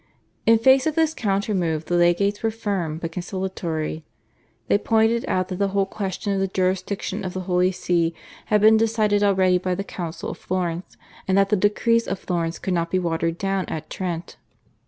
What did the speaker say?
In face of this counter move the legates were firm but conciliatory. They pointed out that the whole question of the jurisdiction of the Holy See had been decided already by the Council of Florence and that the decrees of Florence could not be watered down at Trent.